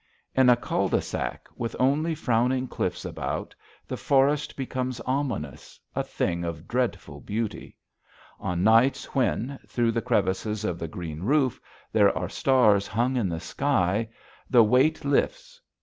In a cul de sac, with only frowning cliffs about, the forest becomes ominous, a thing of dreadful beauty. On nights when, through the crevices of the green roof, there are stars hung in the sky, the weight lifts.